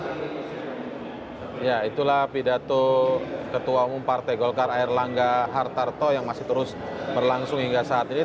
ya itulah pidato ketua umum partai golkar air langga hartarto yang masih terus berlangsung hingga saat ini